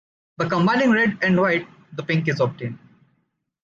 By combining red and white, the pink is obtained.